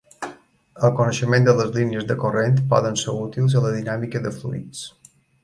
El coneixement de les línies de corrent poden ser útils a la dinàmica de fluids.